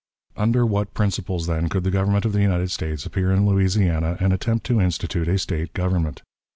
Under what principles, then, could the Government of the United States appear in Louisiana and attempt to institute a State government?